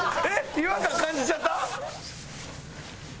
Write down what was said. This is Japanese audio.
違和感感じちゃった？